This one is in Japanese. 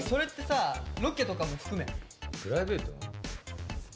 プライベート？